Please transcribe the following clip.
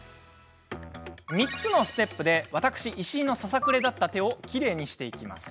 ３つのステップで私、石井のささくれだった手をきれいにしていきます。